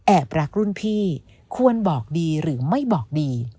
รักรุ่นพี่ควรบอกดีหรือไม่บอกดี